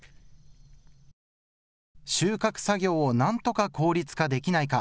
収穫作業をなんとか効率化できないか。